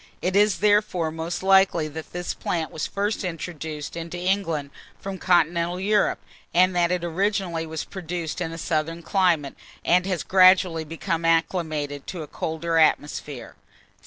It is therefore most likely that this plant was first introduced into England from continental Europe, and that it originally was produced in a southern climate, and has gradually become acclimatized to a colder atmosphere.